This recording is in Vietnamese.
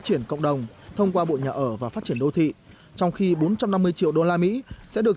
triển cộng đồng thông qua bộ nhà ở và phát triển đô thị trong khi bốn trăm năm mươi triệu đô la mỹ sẽ được